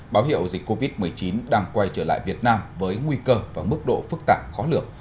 báo hiệu dịch covid một mươi chín đang quay trở lại việt nam với nguy cơ và mức độ phức tạp khó lường